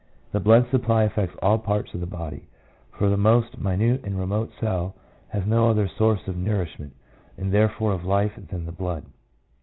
The blood supply affects all parts of the body, for the most minute and remote cell has no other source of nourishment, and therefore of life, than the blood.